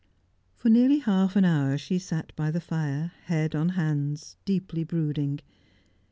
For nearly half an hour she sat by the fire, head on hands, deeply brooding.